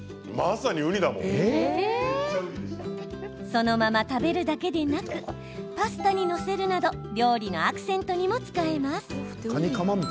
そのまま食べるだけでなくパスタに載せるなど料理のアクセントにも使えます。